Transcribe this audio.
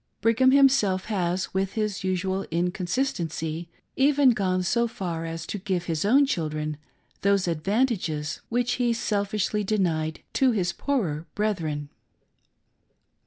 Brigham himself has with his usual inconsistency even gone so far as to give to his own children those advantages which he selfishly denied to his poorer brethren.